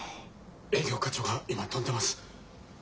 営業課長が今飛んでます。